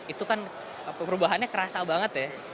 itu kan perubahannya kerasa banget ya